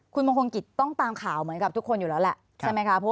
คุณมงคงกิตต้องตามข่าวนะครับ